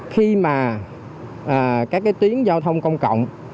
khi mà các cái tuyến giao thông công cộng